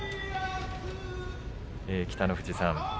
北の富士さん